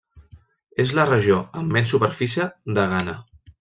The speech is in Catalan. És la regió amb menys superfície de Ghana.